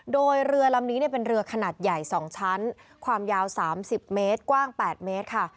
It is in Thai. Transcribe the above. โดยเรือลำนี้เป็นเรือขนาดใหญ่๒ชั้นความยาว๓๐เมตรกว้าง๘เมตรค่ะ